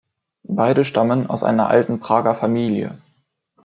Beide stammen aus einer alten Prager Familie.